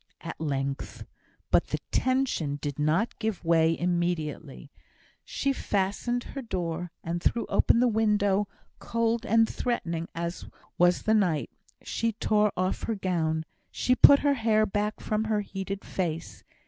At length! But the tension did not give way immediately. She fastened her door, and threw open the window, cold and threatening as was the night. She tore off her gown; she put her hair back from her heated face.